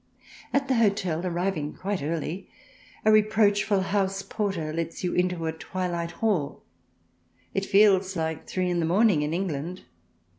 At the hotel, arriving quite early, a re proachful house porter lets you into a twilight hall ; it feels like three in the morning in England.